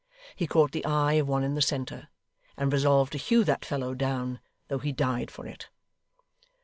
He caught the eye of one in the centre, and resolved to hew that fellow down, though he died for it.